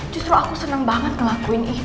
justru aku seneng banget melakuin itu